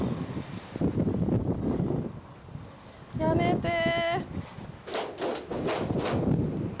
やめてー。